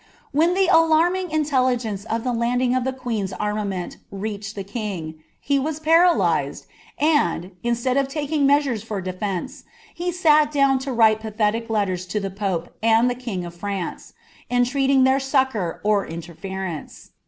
When the alarming intelligence of the landing of the queen's arma WDt reached the king, he was paralyzed, and, instead of taking measures Mr defence, he sat down to write pathetic letters to the pope and the iag of Fiance, entreating their succour or interference.